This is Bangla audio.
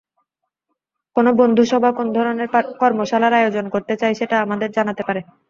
কোন বন্ধুসভা কোন ধরনের কর্মশালার আয়োজন করতে চায়, সেটা আমাদের জানাতে পারে।